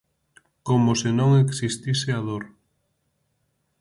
Como se non existise a dor.